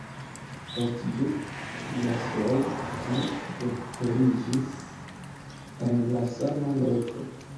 Post du jasroj li doktoriĝis en la sama loko.